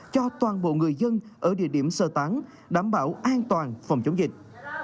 cho toàn bộ người dân ở địa điểm sơ tán đảm bảo an toàn phòng chống dịch